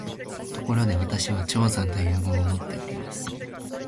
ところで、私は「重山」という号をもっております